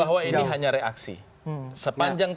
bahwa ini hanya reaksi sepanjang